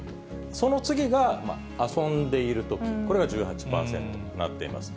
その次が遊んでいるとき、これが１８％となっています。